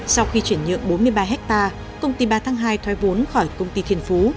sau khi chuyển nhượng bốn mươi ba hectare công ty ba tháng hai thoái vốn khỏi công ty thiên phú